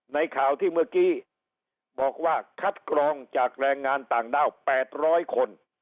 ในข่าวที่เมื่อกี้บอกว่าคัดกรองจากแรงงานต่างด้าว๘๐๐คน